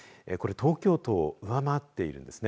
東京都を上回っているんです。